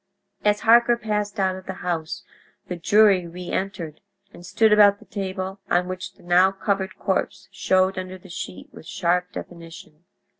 As Harker passed out of the house the jury reentered and stood about the table on which the now covered corpse showed under the sheet with sharp definition.